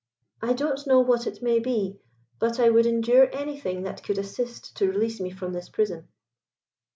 I don't know what it may be, but I would endure anything that could assist to release me from this prison."